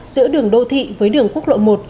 giữa đường đô thị với đường quốc lộ một